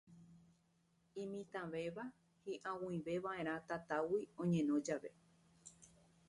Imitãvéva hiʼag̃uivevaʼerã tatágui oñeno jave.